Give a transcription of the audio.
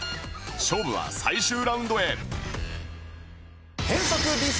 勝負は最終ラウンドへ